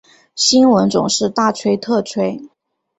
新闻总是大吹特吹